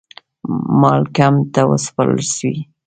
مالکم ته وسپارل سوې.